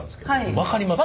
分かりますか？